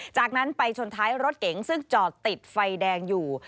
จากนั้นไปชนท้ายรถเก๋งซึ่งจอดติดไฟแดงอยู่